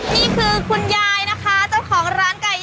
นี่คือคุณยายนะคะ